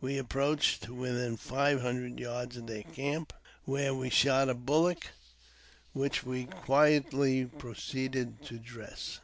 We approached to within five hundred yards of their camp, where we shot a bullock, which we quietly proceeded to dress.